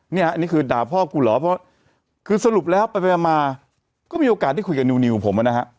นี่คือด่าพ่อกูเหรอเพราะคือสรุปแล้วไปมาก็มีโอกาสได้คุยกับนิวผมนะฮะ